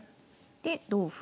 で同歩。